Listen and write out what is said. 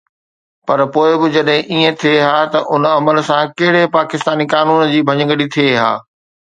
پر پوءِ به جيڪڏهن ائين ٿئي ها ته ان عمل سان ڪهڙي پاڪستاني قانون جي ڀڃڪڙي ٿئي ها؟